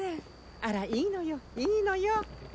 あらいいのよいいのよ。